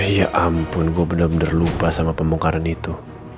ya ampun gue bener bener lupa sama pemongkaran itu